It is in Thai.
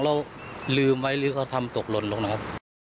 เราลืมไว้หรือเขาทำตกหล่นลงนะครับ